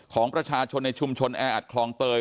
ของประชาชนในชุมชนแออัดคลองเตย